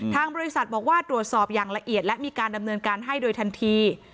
ทางบริษัทบอกว่าตรวจสอบอย่างละเอียดและมีการดำเนินการให้โดยทันที